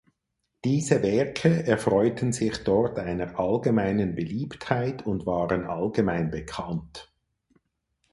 Diese Werke erfreuten sich dort einer allgemeinen Beliebtheit und waren allgemein bekannt.